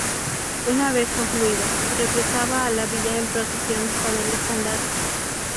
Una vez concluido, se regresaba a la Villa en procesión con el estandarte.